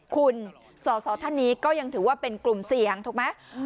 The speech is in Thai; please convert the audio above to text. คุณสอสอท่านนี้ก็ยังถือว่าเป็นกลุ่มเสี่ยงถูกไหม